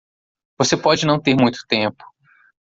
Você pode não ter muito tempo.